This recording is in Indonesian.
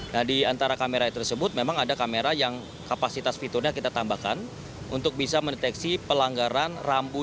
nah di antara kamera tersebut memang ada kamera yang kapasitas fiturnya kita tambahkan untuk bisa mendeteksi pelanggaran rambut